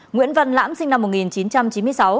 nguyễn văn lãm sinh năm một nghìn chín trăm chín mươi sáu